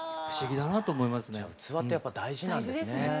じゃあ器ってやっぱ大事なんですね。